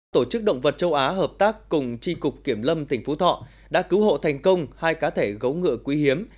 tổ chức động vật châu á hợp tác cùng tri cục kiểm lâm tỉnh phú thọ đã cứu hộ thành công hai cá thể gấu ngựa quý hiếm